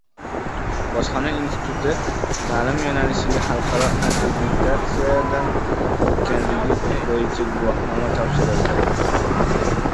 Bojxona instituti ta’lim yo‘nalishiga xalqaro akkreditatsiyadan o‘tganligi bo‘yicha guvohnoma topshirildi